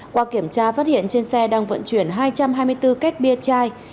qua kiểm tra phát hiện trên xe đang vận chuyển hai trăm hai mươi bốn kết bia chai